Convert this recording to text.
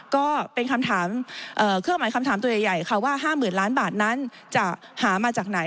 ก็เป็นคำถามเครื่องหมายคำถามตัวใหญ่ค่ะว่า๕๐๐๐ล้านบาทนั้นจะหามาจากไหน